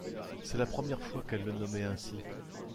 C’était la première fois qu’elle le nommait ainsi.